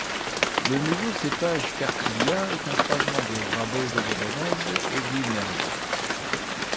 Le nouveau cépage fertilia est un croisement du raboso veronese et du merlot.